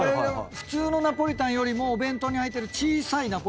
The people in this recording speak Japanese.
普通のナポリタンよりもお弁当に入ってる小さいナポリタンが好き？